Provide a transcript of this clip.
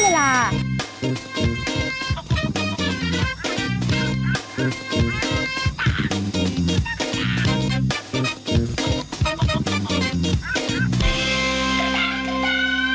ให้เวลา